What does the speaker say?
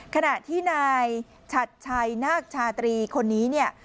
ขณะที่นายชัดชัยนาคชาตรีคนนี้เนี่ย